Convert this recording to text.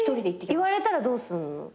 言われたらどうすんの？